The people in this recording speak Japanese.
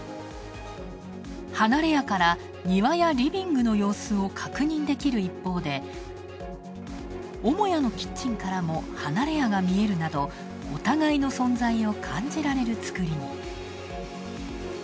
離れ家から庭やリビングの様子を確認できる一方で母屋のキッチンからも離れ家が見えるなどお互いの存在を感じられるつくりに。